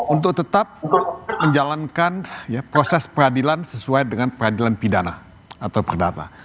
untuk tetap menjalankan proses peradilan sesuai dengan peradilan pidana atau perdata